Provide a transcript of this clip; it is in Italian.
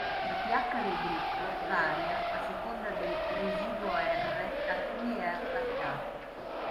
Il pH del gruppo varia a seconda del residuo R a cui è attaccato.